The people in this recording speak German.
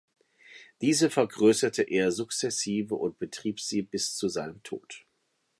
Diese vergrösserte er sukzessive und betrieb sie bis zu seinem Tod.